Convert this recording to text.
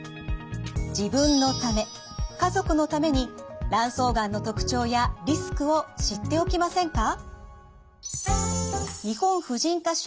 自分のため家族のために卵巣がんの特徴やリスクを知っておきませんか？